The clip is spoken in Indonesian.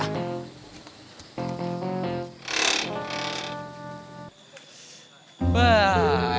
wah enak ya tin ya